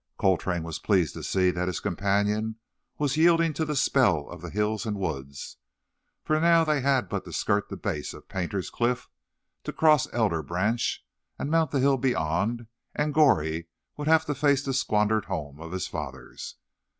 Coltrane was pleased to see that his companion was yielding to the spell of the hills and woods. For now they had but to skirt the base of Painter's Cliff; to cross Elder Branch and mount the hill beyond, and Goree would have to face the squandered home of his fathers.